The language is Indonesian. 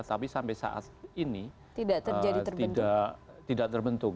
tapi sampai saat ini tidak terbentuk